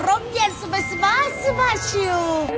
ร้องเย็นสบายสบายชิว